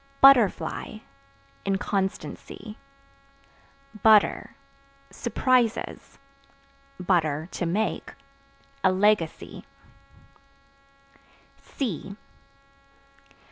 Butterfly Inconstancy. Butter Surprises; (to make) a legacy.